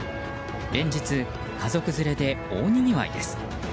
連日、家族連れで大にぎわいです。